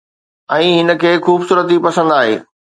۽ هن کي خوبصورتي پسند آهي